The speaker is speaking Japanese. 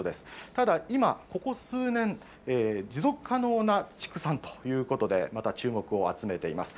ただ、今、ここ数年、持続可能な畜産ということで、また注目を集めています。